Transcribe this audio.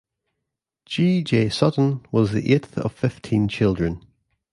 G. J. Sutton was the eighth of fifteen children.